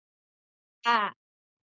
母亲是侧室高木敦子。